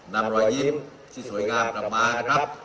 ทำลอหิมซี่สวยงามกลับมาครับ